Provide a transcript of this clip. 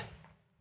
kamu ikut bapak